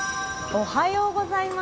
おはようございます。